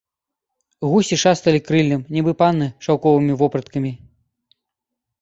Гусі шасталі крыллем, нібы панны шаўковымі вопраткамі.